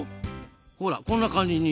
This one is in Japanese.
ほらこんな感じに。